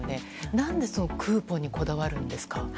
何でクーポンにこだわるんですか。